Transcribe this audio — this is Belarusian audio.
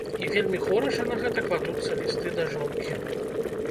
І вельмі хораша на гэта кладуцца лісты да жонкі.